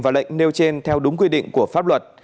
và lệnh nêu trên theo đúng quy định của pháp luật